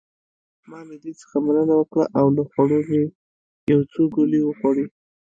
ما له دې څخه مننه وکړ او له خوړو مې یو څو ګولې وخوړې.